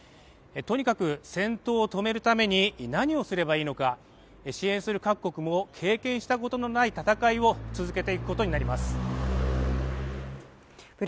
ともかく戦闘を止めるために何をすればいいのか支援する各国も経験したことのない戦いを続けていくことになります。